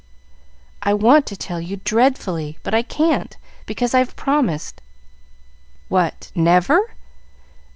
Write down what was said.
"I want to tell you, dreadfully; but I can't, because I've promised." "What, never?"